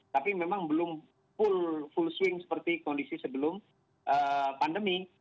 tapi memang belum full swing seperti kondisi sebelum pandemi